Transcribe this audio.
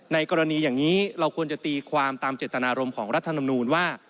กรณีอย่างนี้เราควรจะตีความตามเจตนารมณ์ของรัฐธรรมนูลว่า